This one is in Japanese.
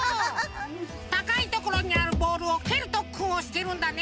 たかいところにあるボールをけるとっくんをしているんだね！